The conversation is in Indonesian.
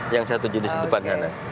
yang satu jenis di depan sana